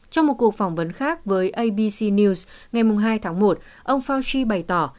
trong một cuộc phỏng vấn khác với abc news ngày hai tháng một ông fauchi bày tỏ